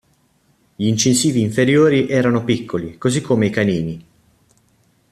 Gli incisivi inferiori erano piccoli, così come i canini.